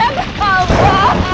aku bisa membunuh shiva